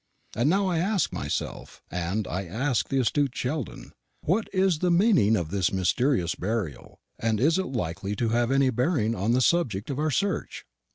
And now I ask myself and I ask the astute Sheldon what is the meaning of this mysterious burial, and is it likely to have any bearing on the object of our search?